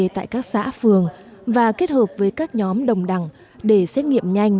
tại các xã phường và kết hợp với các nhóm đồng đẳng để xét nghiệm nhanh